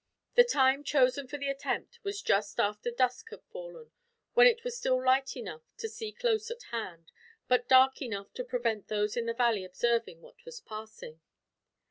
The time chosen for the attempt was just after dusk had fallen, when it was still light enough to see close at hand, but dark enough to prevent those in the valley observing what was passing.